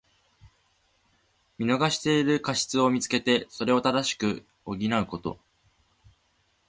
見逃している過失をみつけて、それを正し補うこと。